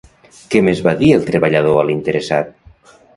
Què més va dir el treballador a l'interessat?